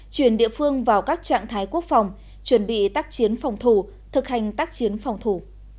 chuyển địa phương vào các trạng thái quốc phòng chuẩn bị tác chiến phòng thủ thực hành tác chiến phòng thủ